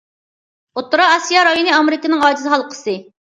ئوتتۇرا ئاسىيا رايونى ئامېرىكىنىڭ ئاجىز ھالقىسى.